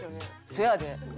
せやで。